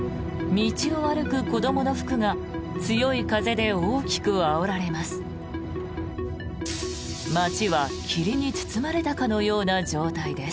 道を歩く子どもの服が強い風で大きくあおられます。